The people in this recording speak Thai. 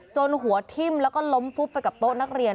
หัวทิ้มแล้วก็ล้มฟุบไปกับโต๊ะนักเรียน